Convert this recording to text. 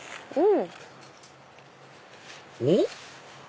うん！